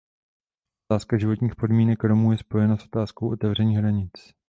Otázka životních podmínek Romů je spojena s otázkou otevření hranic.